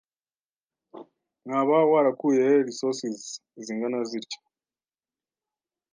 Mwaba warakuyehe(resources) zingana zitya?